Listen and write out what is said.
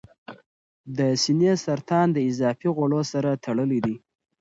د سینې سرطان د اضافي غوړو سره تړلی دی.